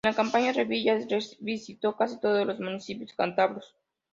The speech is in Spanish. En la campaña, Revilla visitó casi todos los municipios cántabros.